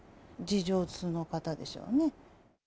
事情通の方でしょうね。